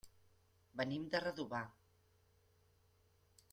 Venim de Redovà.